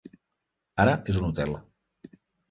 Ara és un hotel.